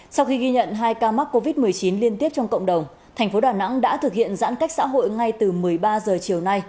sau khi ghi nhận hai ca mắc covid một mươi chín liên tiếp trong cộng đồng thành phố đà nẵng đã thực hiện giãn cách xã hội ngay từ một mươi ba h chiều nay